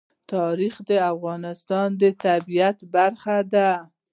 تاریخ د افغانستان د طبیعت برخه ده.